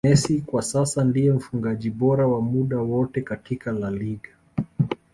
Messi kwa sasa ndiye mfungaji bora wa muda wote katika La Liga